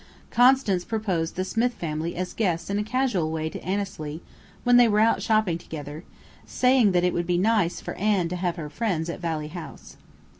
Constance proposed the Smith family as guests in a casual way to Annesley when they were out shopping together, saying that it would be nice for Anne to have her friends at Valley House.